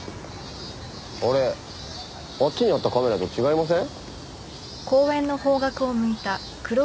あれあっちにあったカメラと違いません？